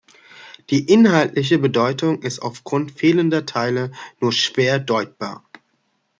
Die inhaltliche Bedeutung ist aufgrund fehlender Teile nur schwer deutbar.